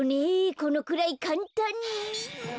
このくらいかんたんに。